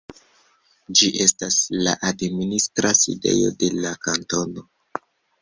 Ĝi estas la administra sidejo de la kantono.